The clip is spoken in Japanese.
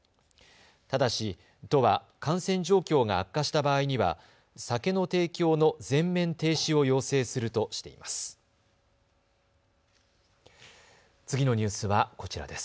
ただし、都は感染状況が悪化した場合には酒の提供の全面停止を要請するとしています。